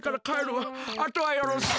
あとはよろしく。